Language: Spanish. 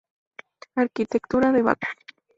Arquitectura de Bakú